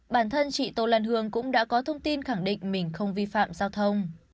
bản thân chị tô lan hương cũng đã có thông tin khẳng định mình không vi phạm giao thông